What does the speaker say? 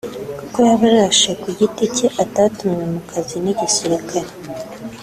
kuko yabarashe ku giti cye atatumwe mu kazi n’Igisirikare